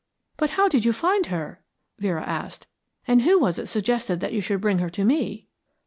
"But how did you find her?" Vera asked. "And who was it suggested that you should bring her to me?"